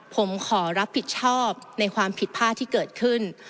ผมขอรับผิดชอบในความผิดพลาดที่เกิดขึ้น